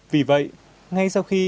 vì vậy ngay sau khi